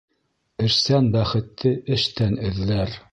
Эшсән бәхетте эштән эҙләр